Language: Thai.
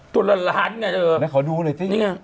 ตัวละหลานเนี่ย